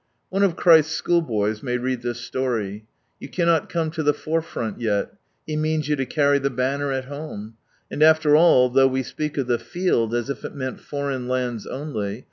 One of Christ's schoolboys may read this story. You cannot come to the forefront yet. He means you to carry the banner at home, And after all, though we speak of " the field " as if it meant foreign lands only.